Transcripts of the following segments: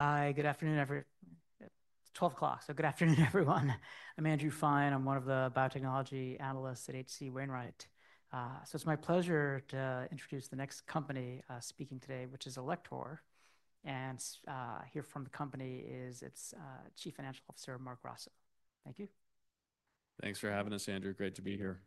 Hi, good afternoon, everyone. It's 12 o'clock, so good afternoon, everyone. I'm Andrew Fine. I'm one of the biotechnology analysts at HC Wainwright. It's my pleasure to introduce the next company speaking today, which is Alector. Here from the company is its Chief Financial Officer, Marc Grasso. Thank you. Thanks for having us, Andrew. Great to be here.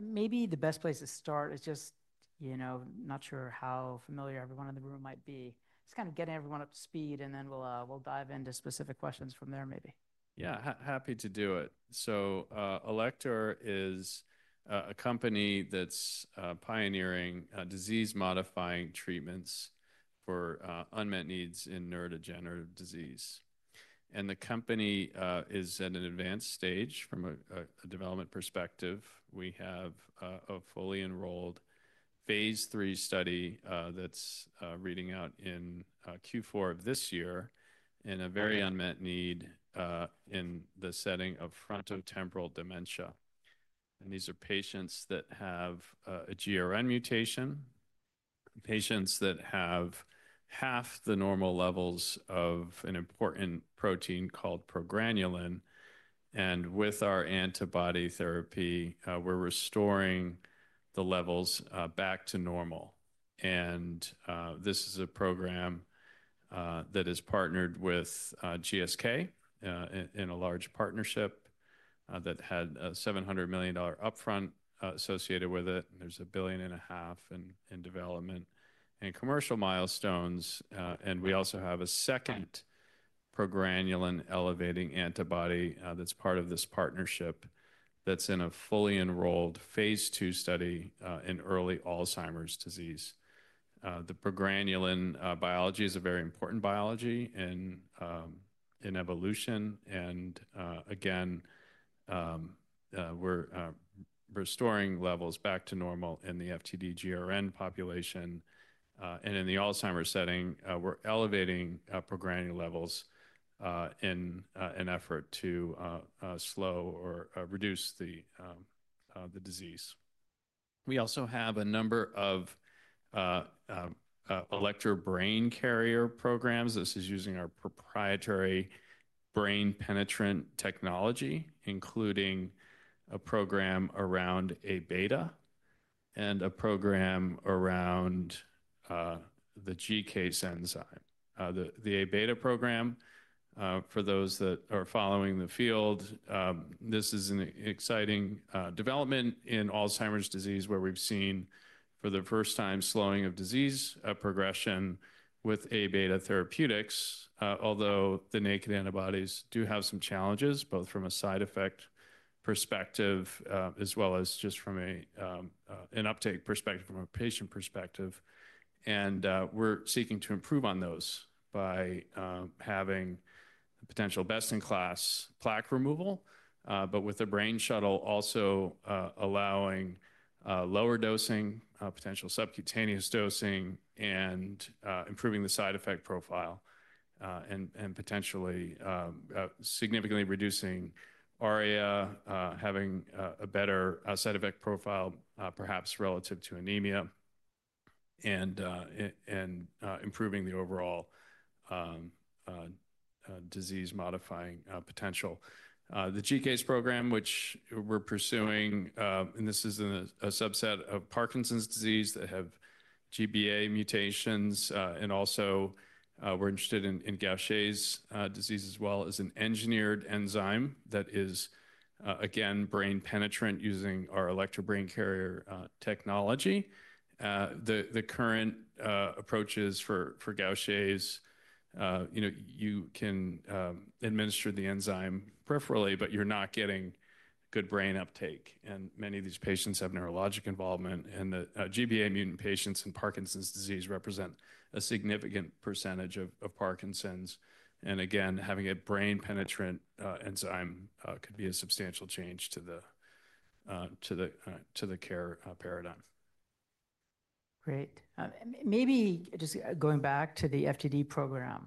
Maybe the best place to start is just, you know, not sure how familiar everyone in the room might be. Just kind of getting everyone up to speed, and then we'll dive into specific questions from there, maybe. Yeah, happy to do it. Elector is a company that's pioneering disease-modifying treatments for unmet needs in neurodegenerative disease. The company is at an advanced stage from a development perspective. We have a fully enrolled phase III study that's reading out in Q4 of this year in a very unmet need in the setting of frontotemporal dementia. These are patients that have a GRN mutation, patients that have half the normal levels of an important protein called progranulin. With our antibody therapy, we're restoring the levels back to normal. This is a program that is partnered with GSK in a large partnership that had a $700 million upfront associated with it. There's a billion and a half in development and commercial milestones. We also have a second progranulin-elevating antibody that's part of this partnership that's in a fully enrolled phase II study in early Alzheimer's disease. The progranulin biology is a very important biology in evolution. Again, we're restoring levels back to normal in the FTD GRN population. In the Alzheimer's setting, we're elevating progranulin levels in an effort to slow or reduce the disease. We also have a number of Alector Brain Carrier programs. This is using our proprietary brain penetrant technology, including a program around Aβ and a program around the GCase enzyme. The Aβ program, for those that are following the field, this is an exciting development in Alzheimer's disease, where we've seen for the first time slowing of disease progression with Aβ therapeutics, although the naked antibodies do have some challenges, both from a side effect perspective as well as just from an uptake perspective, from a patient perspective. We are seeking to improve on those by having potential best-in-class plaque removal, but with a brain shuttle also allowing lower dosing, potential subcutaneous dosing, and improving the side effect profile, and potentially significantly reducing RA, having a better side effect profile, perhaps relative to anemia, and improving the overall disease-modifying potential. The GCase program, which we're pursuing, and this is a subset of Parkinson's disease that have GBA mutations, and also we're interested in Gaucher's disease as well as an engineered enzyme that is, again, brain penetrant using our Alector Brain Carrier technology. The current approaches for Gaucher's, you know, you can administer the enzyme peripherally, but you're not getting good brain uptake. And many of these patients have neurologic involvement. And the GBA mutant patients in Parkinson's disease represent a significant percentage of Parkinson's. And again, having a brain penetrant enzyme could be a substantial change to the care paradigm. Great. Maybe just going back to the FTD program,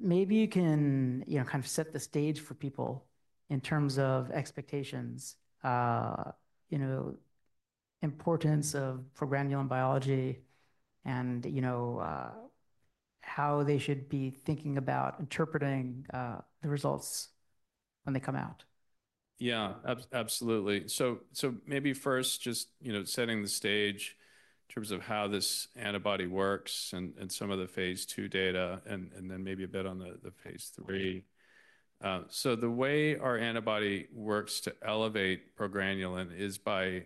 maybe you can, you know, kind of set the stage for people in terms of expectations, you know, importance of progranulin biology and, you know, how they should be thinking about interpreting the results when they come out. Yeah, absolutely. Maybe first, just, you know, setting the stage in terms of how this antibody works and some of the phase II data, and then maybe a bit on the phase III. The way our antibody works to elevate progranulin is by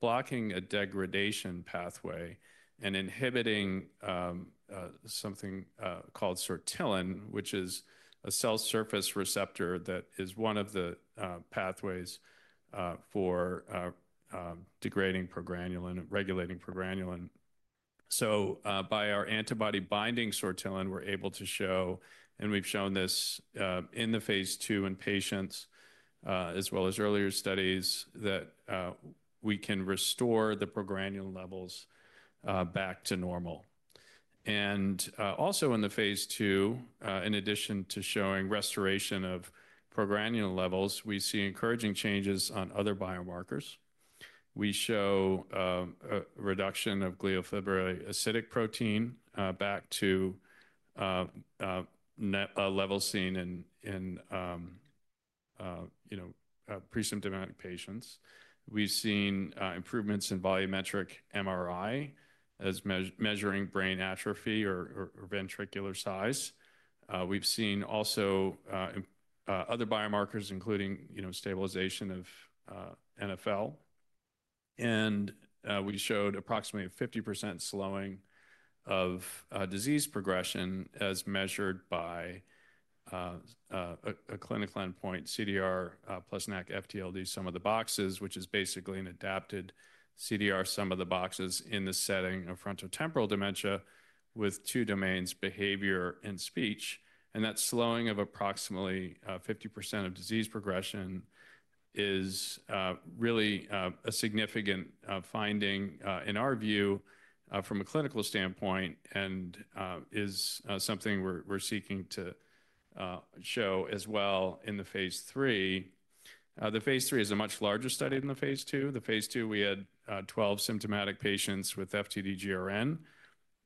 blocking a degradation pathway and inhibiting something called sortilin, which is a cell surface receptor that is one of the pathways for degrading progranulin, regulating progranulin. By our antibody binding sortilin, we're able to show, and we've shown this in the phase II in patients, as well as earlier studies, that we can restore the progranulin levels back to normal. Also in the phase II, in addition to showing restoration of progranulin levels, we see encouraging changes on other biomarkers. We show a reduction of glial fibrillary acidic protein back to levels seen in, you know, presymptomatic patients. We've seen improvements in volumetric MRI as measuring brain atrophy or ventricular size. We've seen also other biomarkers, including, you know, stabilization of NFL. And we showed approximately 50% slowing of disease progression as measured by a clinical endpoint, CDR plus NACC FTLD, some of the boxes, which is basically an adapted CDR, some of the boxes in the setting of frontotemporal dementia with two domains, behavior and speech. That slowing of approximately 50% of disease progression is really a significant finding in our view from a clinical standpoint and is something we're seeking to show as well in the phase III. The phase III is a much larger study than the phase II. The phase II, we had 12 symptomatic patients with FTD GRN.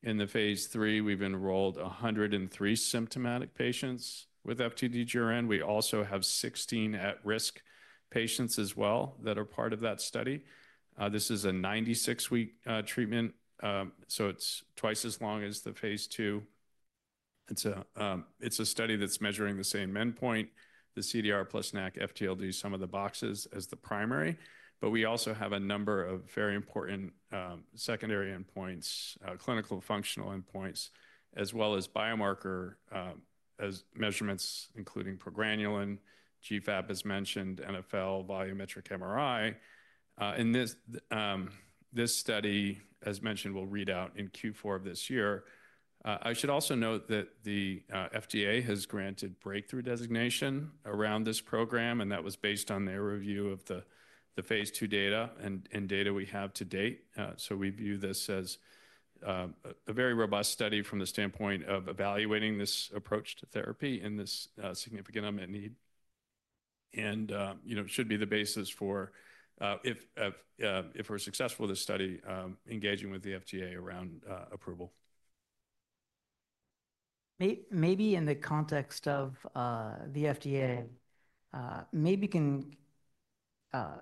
In the phase III, we've enrolled 103 symptomatic patients with FTD GRN. We also have 16 at-risk patients as well that are part of that study. This is a 96-week treatment, so it's twice as long as the phase II. It's a study that's measuring the same endpoint, the CDR plus NACC FTLD some of the boxes as the primary. We also have a number of very important secondary endpoints, clinical functional endpoints, as well as biomarker measurements, including progranulin, GFAP as mentioned, NFL, volumetric MRI. This study, as mentioned, will read out in Q4 of this year. I should also note that the FDA has granted breakthrough designation around this program, and that was based on their review of the phase II data and data we have to date. We view this as a very robust study from the standpoint of evaluating this approach to therapy in this significant unmet need. You know, it should be the basis for, if we're successful with this study, engaging with the FDA around approval. Maybe in the context of the FDA, maybe we can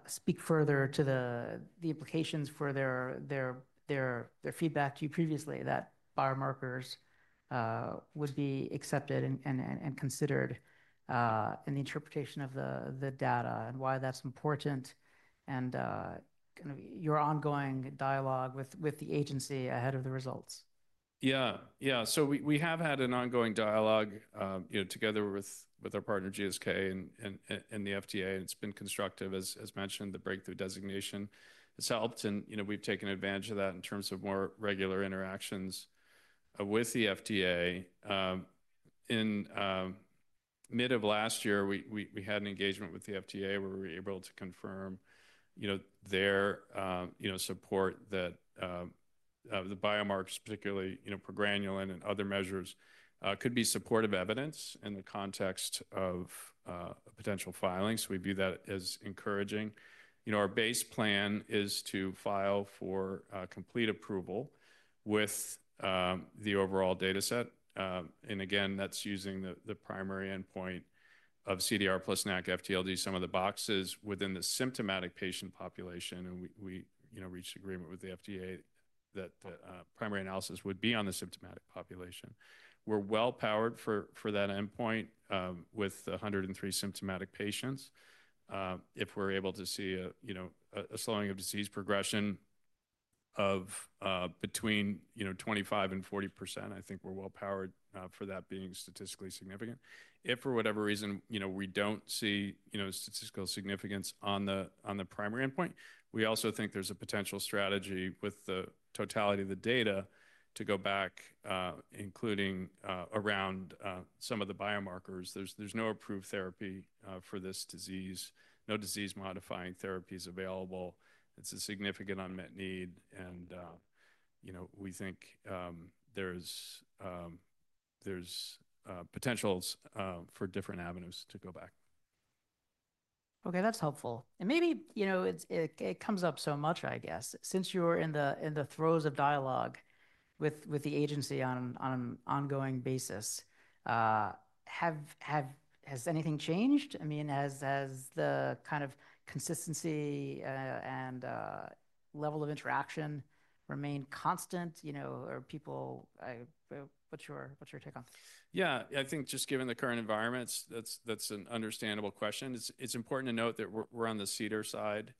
speak further to the implications for their feedback to you previously, that biomarkers would be accepted and considered in the interpretation of the data and why that's important and kind of your ongoing dialogue with the agency ahead of the results. Yeah, yeah. We have had an ongoing dialogue, you know, together with our partner, GSK, and the FDA. It has been constructive, as mentioned, the breakthrough designation has helped. You know, we have taken advantage of that in terms of more regular interactions with the FDA. In mid of last year, we had an engagement with the FDA where we were able to confirm, you know, their, you know, support that the biomarkers, particularly, you know, progranulin and other measures, could be supportive evidence in the context of potential filings. We view that as encouraging. You know, our base plan is to file for complete approval with the overall data set. Again, that is using the primary endpoint of CDR plus NACC FTLD, some of the boxes within the symptomatic patient population. We, you know, reached agreement with the FDA that primary analysis would be on the symptomatic population. We're well-powered for that endpoint with 103 symptomatic patients. If we're able to see, you know, a slowing of disease progression of between, you know, 25-40%, I think we're well-powered for that being statistically significant. If for whatever reason, you know, we don't see, you know, statistical significance on the primary endpoint, we also think there's a potential strategy with the totality of the data to go back, including around some of the biomarkers. There is no approved therapy for this disease, no disease-modifying therapies available. It is a significant unmet need. You know, we think there's potential for different avenues to go back. Okay, that's helpful. Maybe, you know, it comes up so much, I guess, since you're in the throes of dialogue with the agency on an ongoing basis. Has anything changed? I mean, has the kind of consistency and level of interaction remained constant, you know, or people? What's your take on this? Yeah, I think just given the current environments, that's an understandable question. It's important to note that we're on the CDER side,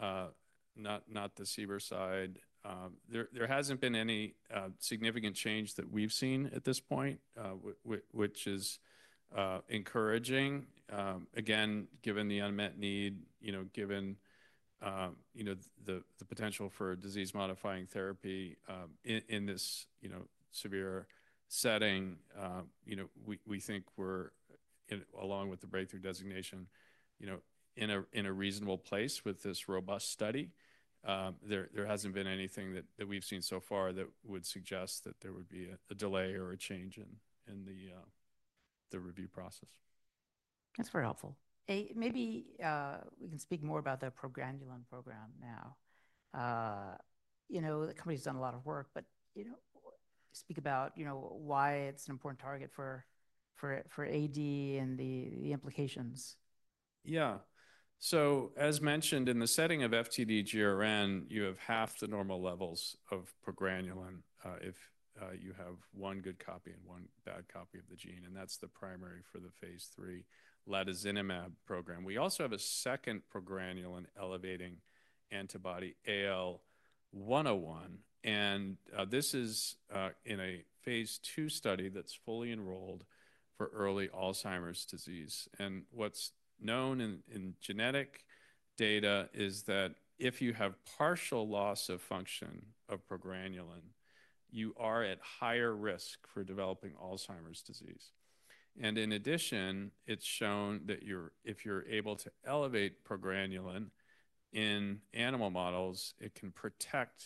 not the CBER side. There hasn't been any significant change that we've seen at this point, which is encouraging. Again, given the unmet need, you know, given, you know, the potential for disease-modifying therapy in this, you know, severe setting, you know, we think we're, along with the breakthrough designation, you know, in a reasonable place with this robust study. There hasn't been anything that we've seen so far that would suggest that there would be a delay or a change in the review process. That's very helpful. Maybe we can speak more about the progranulin program now. You know, the company's done a lot of work, but, you know, speak about, you know, why it's an important target for AD and the implications. Yeah. As mentioned, in the setting of FTD GRN, you have half the normal levels of progranulin if you have one good copy and one bad copy of the gene. That is the primary for the phase III latozinemab program. We also have a second progranulin-elevating antibody, AL101. This is in a phase II study that is fully enrolled for early Alzheimer's disease. What is known in genetic data is that if you have partial loss of function of progranulin, you are at higher risk for developing Alzheimer's disease. In addition, it is shown that if you are able to elevate progranulin in animal models, it can protect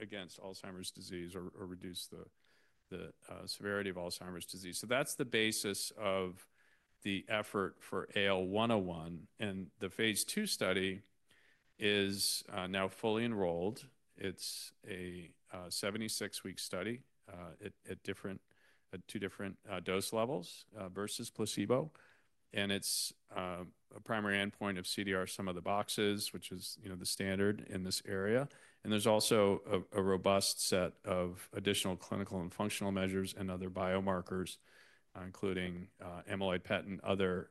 against Alzheimer's disease or reduce the severity of Alzheimer's disease. That is the basis of the effort for AL101. The phase II study is now fully enrolled. It is a 76-week study at two different dose levels versus placebo. It's a primary endpoint of CDR, some of the boxes, which is, you know, the standard in this area. There's also a robust set of additional clinical and functional measures and other biomarkers, including amyloid PET and other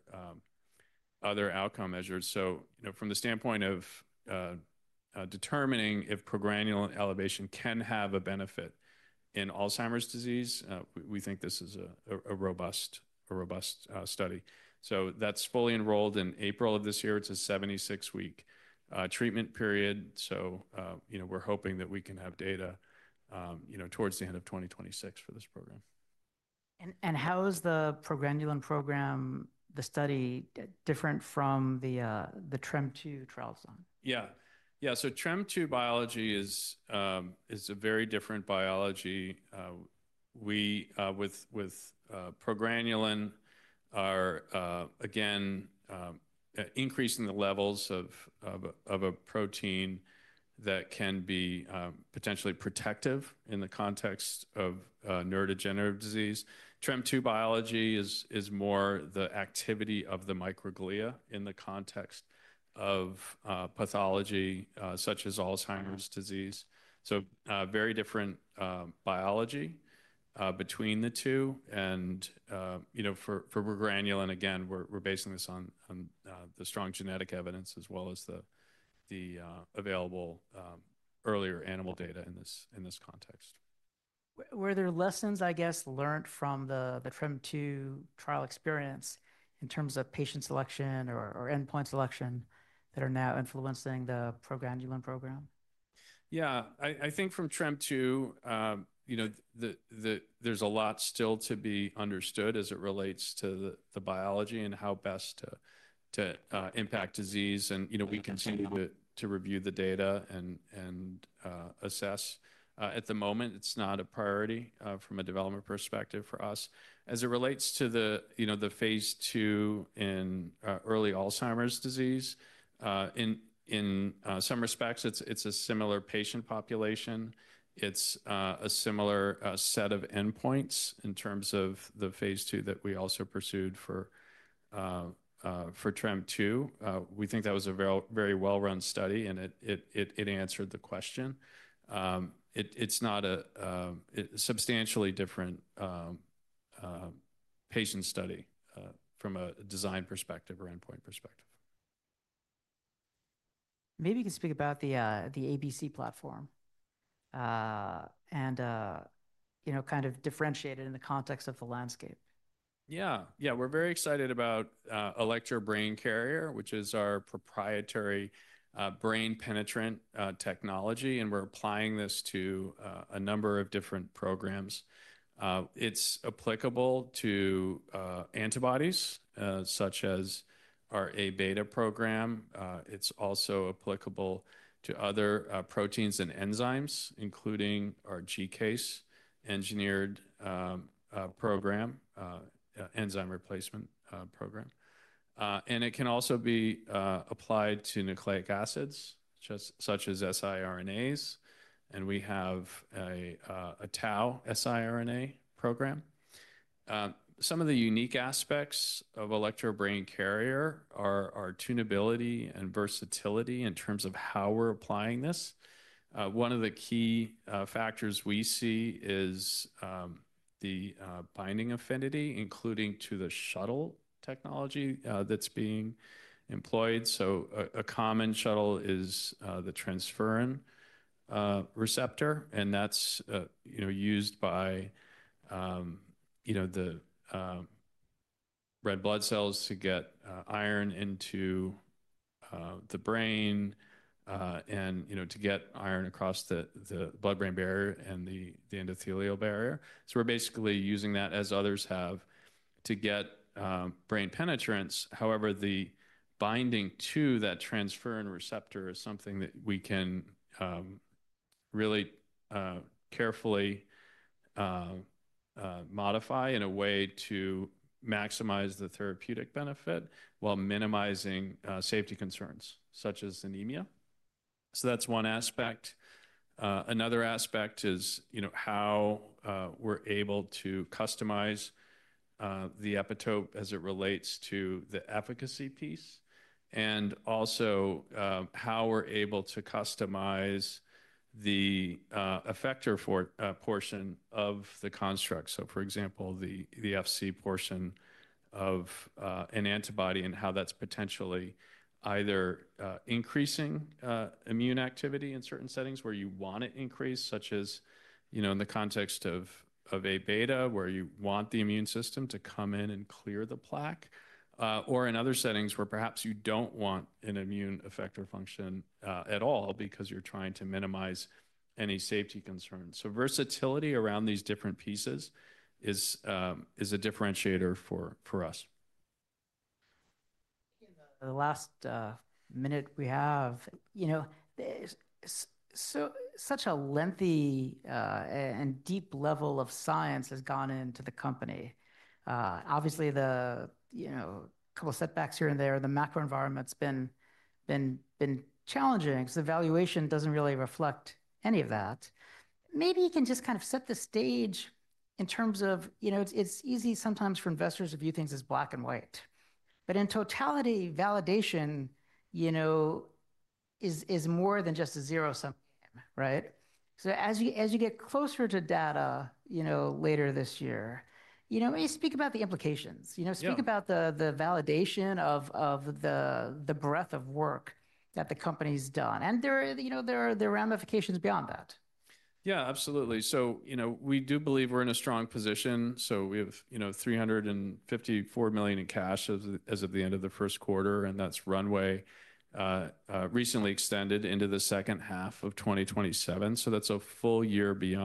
outcome measures. You know, from the standpoint of determining if progranulin elevation can have a benefit in Alzheimer's disease, we think this is a robust study. That's fully enrolled in April of this year. It's a 76-week treatment period. You know, we're hoping that we can have data, you know, towards the end of 2026 for this program. How is the progranulin program, the study, different from the TREM2 trials? Yeah, yeah. TREM2 biology is a very different biology. We, with progranulin, are again increasing the levels of a protein that can be potentially protective in the context of neurodegenerative disease. TREM2 biology is more the activity of the microglia in the context of pathology such as Alzheimer's disease. Very different biology between the two. And, you know, for progranulin, again, we're basing this on the strong genetic evidence as well as the available earlier animal data in this context. Were there lessons, I guess, learned from the TREM2 trial experience in terms of patient selection or endpoint selection that are now influencing the progranulin program? Yeah, I think from TREM2, you know, there's a lot still to be understood as it relates to the biology and how best to impact disease. You know, we continue to review the data and assess. At the moment, it's not a priority from a development perspective for us. As it relates to the, you know, the phase II in early Alzheimer's disease, in some respects, it's a similar patient population. It's a similar set of endpoints in terms of the phase II that we also pursued for TREM2. We think that was a very well-run study, and it answered the question. It's not a substantially different patient study from a design perspective or endpoint perspective. Maybe you can speak about the ABC platform and, you know, kind of differentiate it in the context of the landscape. Yeah, yeah. We're very excited about Alector Brain Carrier, which is our proprietary brain penetrant technology. We're applying this to a number of different programs. It's applicable to antibodies such as our Aβ program. It's also applicable to other proteins and enzymes, including our GCase engineered program, enzyme replacement program. It can also be applied to nucleic acids, such as siRNAs. We have a tau siRNA program. Some of the unique aspects of Alector Brain Carrier are tunability and versatility in terms of how we're applying this. One of the key factors we see is the binding affinity, including to the shuttle technology that's being employed. A common shuttle is the transferrin receptor. That's, you know, used by, you know, the red blood cells to get iron into the brain and, you know, to get iron across the blood-brain barrier and the endothelial barrier. We're basically using that, as others have, to get brain penetrance. However, the binding to that transferrin receptor is something that we can really carefully modify in a way to maximize the therapeutic benefit while minimizing safety concerns, such as anemia. That's one aspect. Another aspect is, you know, how we're able to customize the epitope as it relates to the efficacy piece and also how we're able to customize the effector portion of the construct. For example, the FC portion of an antibody and how that's potentially either increasing immune activity in certain settings where you want it increased, such as, you know, in the context of Aβ, where you want the immune system to come in and clear the plaque, or in other settings where perhaps you don't want an immune effector function at all because you're trying to minimize any safety concerns. Versatility around these different pieces is a differentiator for us. In the last minute we have, you know, such a lengthy and deep level of science has gone into the company. Obviously, the, you know, a couple of setbacks here and there, the macro environment's been challenging because the valuation doesn't really reflect any of that. Maybe you can just kind of set the stage in terms of, you know, it's easy sometimes for investors to view things as black and white. But in totality, validation, you know, is more than just a zero-sum game, right? As you get closer to data, you know, later this year, you know, maybe speak about the implications. You know, speak about the validation of the breadth of work that the company's done. And there, you know, there are ramifications beyond that. Yeah, absolutely. So, you know, we do believe we're in a strong position. So we have, you know, $354 million in cash as of the end of the first quarter. And that's runway recently extended into the second half of 2027. So that's a full year beyond.